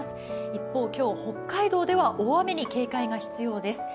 一方、今日、北海道では大雨に警戒が必要です。